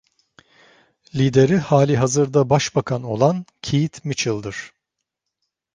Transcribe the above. Lideri halihazırda Başbakan olan Keith Mitchell’dir.